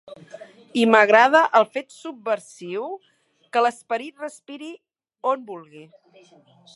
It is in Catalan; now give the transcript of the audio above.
I m'agrada el fet subversiu que l'esperit respiri on vulgui.